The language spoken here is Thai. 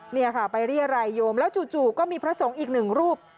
นี่ค่ะไปเรียรัยโยมแล้วจู่ก็มีพระสงฆ์อีกหนึ่งรูป